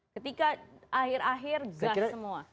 ketika akhir akhir gas semua